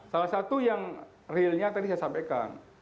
salah satu yang realnya tadi saya sampaikan